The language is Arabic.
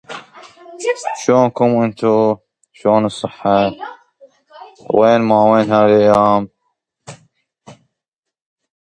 كريم أتاه أنني قلت منكرا